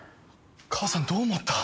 母さんどう思った？